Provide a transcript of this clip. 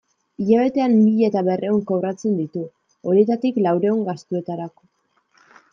Hilabetean mila eta berrehun kobratzen ditu, horietatik laurehun gastuetarako.